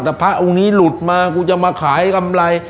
แต่พระองค์นี้หลุดมากูจะมาขายกำไร